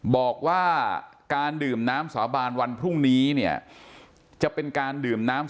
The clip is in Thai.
บอกว่าการดื่มน้ำสาบานวันพรุ่งนี้เนี่ยจะเป็นการดื่มน้ำ